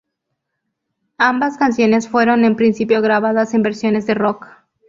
Ambas canciones fueron en principio grabadas en versiones de rock.